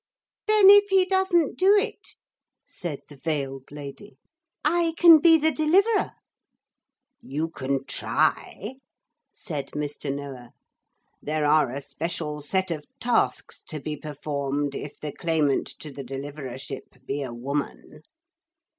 'Then if he doesn't do it,' said the veiled lady, 'I can be the Deliverer.' 'You can try,' said Mr. Noah. 'There are a special set of tasks to be performed if the claimant to the Deliverership be a woman.'